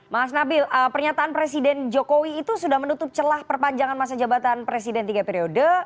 mas nabil pernyataan presiden jokowi itu sudah menutup celah perpanjangan masa jabatan presiden tiga periode